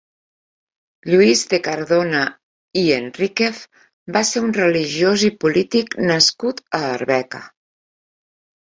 Lluís de Cardona i Enríquez va ser un religiós i polític nascut a Arbeca.